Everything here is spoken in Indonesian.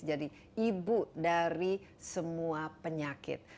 jadi ibu dari semua penyakit